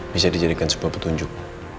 bisa dijadikan sebuah petunjuk